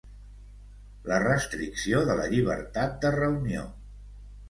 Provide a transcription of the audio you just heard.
La restricció de la llibertat de reunió.